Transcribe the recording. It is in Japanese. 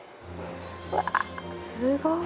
うわすごい。